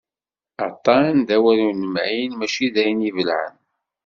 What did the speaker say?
Aṭṭan d awal ur nemɛin mačči d ayen i ibelɛen.